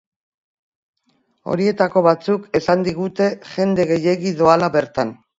Horietako batzuk esan digute jende gehiegi doala bertan.